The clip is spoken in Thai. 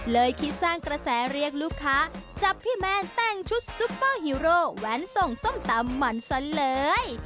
คิดสร้างกระแสเรียกลูกค้าจับพี่แมนแต่งชุดซุปเปอร์ฮีโร่แว้นส่งส้มตำมันซะเลย